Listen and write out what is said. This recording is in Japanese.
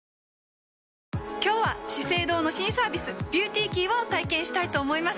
今日は「資生堂」の新サービス「ＢｅａｕｔｙＫｅｙ」を体験したいと思います。